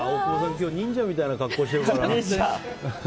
今日忍者みたいな格好してるから。